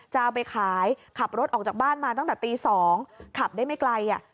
จะเอาไปขายขับรถออกจากบ้านมาตั้งแต่ตี๒ขับได้ไม่ไกล